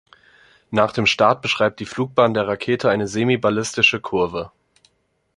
Nach dem Start beschreibt die Flugbahn der Rakete eine semi-ballistische Kurve.